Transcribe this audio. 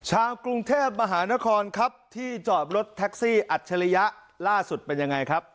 ชาวกรุงเทพมหานครครับที่จอดรถแท็กซี่อัจฉริยะล่าสุดเป็นยังไงครับ